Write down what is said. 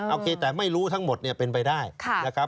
โอเคแต่ไม่รู้ทั้งหมดเนี่ยเป็นไปได้นะครับ